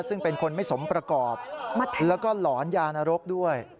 ซึ่งเป็นคนไม่สมประกอบแล้วก็หลอนยานรกด้วย